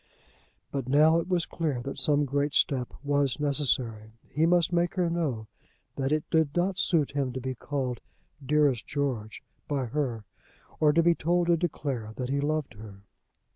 But now it was clear that some great step was necessary. He must make her know that it did not suit him to be called "dearest George" by her, or to be told to declare that he loved her.